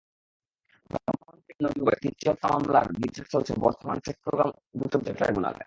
ব্রাহ্মণবাড়িয়ার নবীনগরের তিনটি হত্যা মামলার বিচার চলছে বর্তমানে চট্টগ্রাম দ্রুত বিচার ট্রাইব্যুনালে।